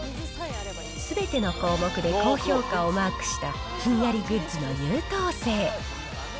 すべての項目で高評価をマークした、ひんやりグッズの優等生。